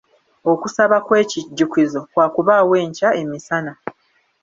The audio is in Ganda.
Okusaba kw'ekijjukizo kwa kubaawo enkya emisana.